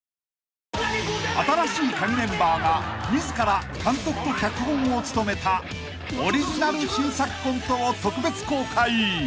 ［『新しいカギ』メンバーが自ら監督と脚本を務めたオリジナル新作コントを特別公開！］